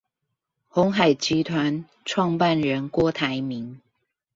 鴻海集團創辦人郭台銘